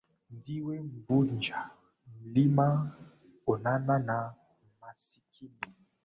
Ndiwe mvunja mlima, onana na masikini